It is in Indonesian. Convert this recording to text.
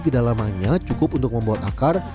kedalamannya cukup untuk membuat akar